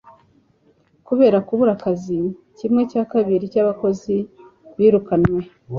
kubera kubura akazi, kimwe cya kabiri cyabakozi birukanwe